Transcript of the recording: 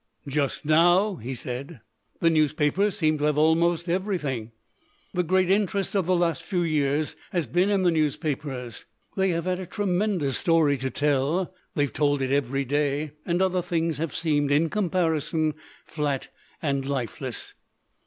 "Just now," he said, "the newspapers seem to have almost everything. The great interest of the last few years has been in the newspapers. They have had a tremendous story to tell, they have told it every day, and other things have seemed, in comparison, flat and lifeless.